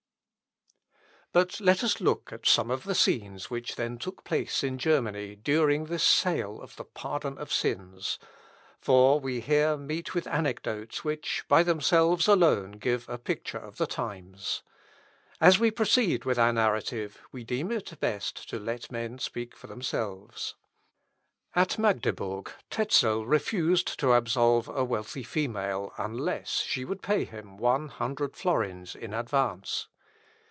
But let us look at some of the scenes which then took place in Germany during this sale of the pardon of sins; for we here meet with anecdotes which, by themselves alone, give a picture of the times. As we proceed with our narrative we deem it best to let men speak for themselves. At Magdebourg Tezel refused to absolve a wealthy female, unless she would pay him one hundred florins in advance.